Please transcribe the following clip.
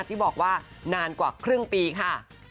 ที่บอกว่านานกว่าครึ่งปีค่ะ